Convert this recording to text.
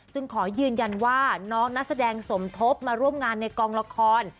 ขอยืนยันว่าน้องนักแสดงสมทบมาร่วมงานในกองละคร